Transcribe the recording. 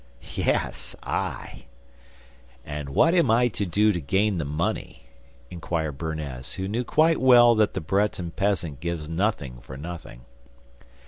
'Yes, I.' 'And what am I to do to gain the money,' inquired Bernez, who knew quite well that the Breton peasant gives nothing for nothing.